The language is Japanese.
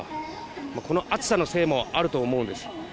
この暑さのせいもあると思うんです。